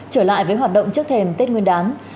trở lại với hoạt động trước thềm tết nguyên đán